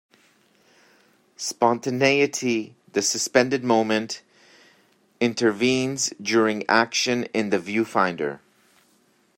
Spontaneity - the suspended moment - intervenes during action, in the viewfinder.